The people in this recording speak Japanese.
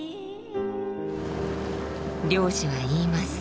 漁師は言います。